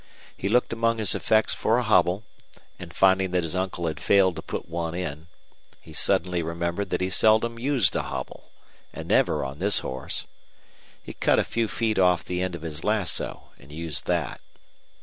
He looked among his effects for a hobble, and, finding that his uncle had failed to put one in, he suddenly remembered that he seldom used a hobble, and never on this horse. He cut a few feet off the end of his lasso and used that.